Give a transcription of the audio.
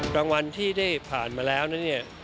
ดังวันที่ได้ผ่านมาแล้วนั้น